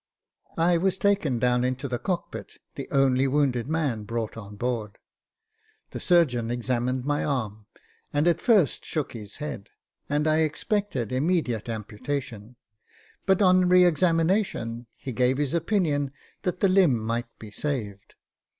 I was taken down into the cockpit, the only wounded man brought on board. The surgeon examined my arm, and at first shook his head, and I expected immediate Jacob Faithful ^65 amputation ; but on re examination he gave his opinion that the limb might be saved.